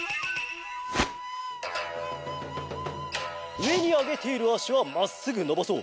うえにあげているあしはまっすぐのばそう。